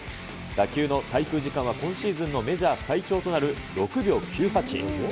打球の滞空時間は今シーズンのメジャー最長となる６秒９８。